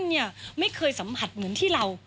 เนี่ยไม่เคยสัมผัสเหมือนที่เรา